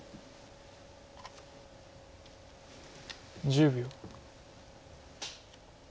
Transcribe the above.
１０秒。